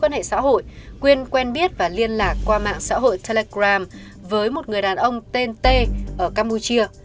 trong những quan hệ xã hội quyền quen biết và liên lạc qua mạng xã hội telegram với một người đàn ông tên t ở campuchia